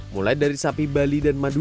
mulai dari sapi bali dan madu